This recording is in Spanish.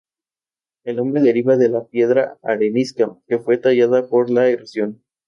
El nombre deriva de la piedra arenisca que fue tallada por la erosión.